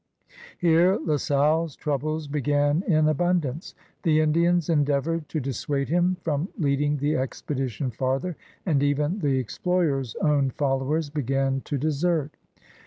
Here La Salle's troubles b^an in abimdance. The Indians endeavored to dissuade him from leading the expedition farther, and even the explorer's own followers b^an to desert.